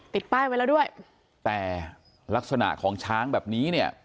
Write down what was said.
ป้ายไว้แล้วด้วยแต่ลักษณะของช้างแบบนี้เนี่ย